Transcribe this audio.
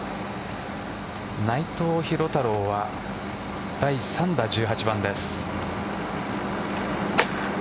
内藤寛太郎は第３打、１８番です。